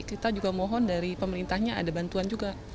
kita juga mohon dari pemerintahnya ada bantuan juga